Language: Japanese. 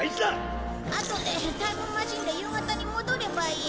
あとでタイムマシンで夕方に戻ればいい。